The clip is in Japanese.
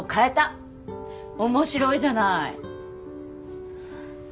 面白いじゃない。